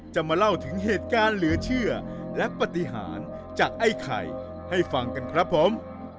จะมาเล่าถึงเหตุการณ์เหลือเชื่อและปฏิหารจากไอ้ไข่ให้ฟังกันครับผม